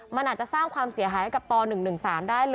มันอาจจะสร้างความเสียหายกับต่อ๑๑๓ได้เลย